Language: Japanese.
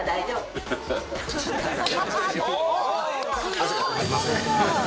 箸が止まりませんね。